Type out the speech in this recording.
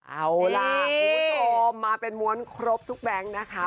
เอาล่ะคุณผู้ชมมาเป็นม้วนครบทุกแบงค์นะคะ